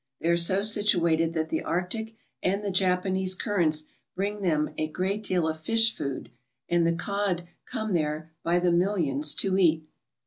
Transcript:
They are so situated that the Arctic and the Japanese currents bring them a great deal of fish food and the cod come there by the millions to eat.